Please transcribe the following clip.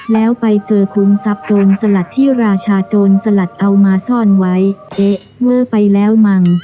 แล้วไปเจอคุมทรัพย์โจรสลัดที่ราชาโจรสลัดเอามาซ่อนไว้เอ๊ะเวอร์ไปแล้วมั้ง